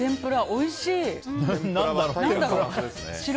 おいしい。